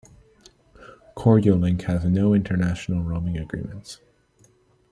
Koryolink has no international roaming agreements.